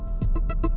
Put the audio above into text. ini tuh ini tuh